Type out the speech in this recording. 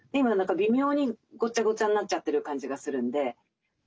今何か微妙にごちゃごちゃになっちゃってる感じがするんで。